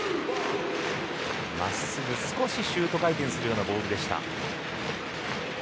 真っすぐ少しシュート回転するようなボールでした。